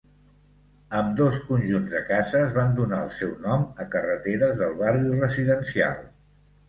Ambdós conjunts de cases van donar el seu nom a carreteres del barri residencial.